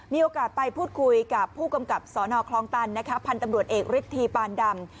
มีโอกาสไปพูดคุยกับผู้กำกับสนคลองตันพันธ์ตำรวจเอกฤทธีปานดำ